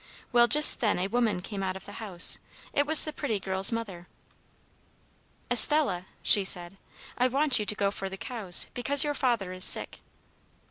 "Well, just then a woman came out of the house. It was the pretty girl's mother. "'Estella,' she said, 'I want you to go for the cows, because your father is sick.'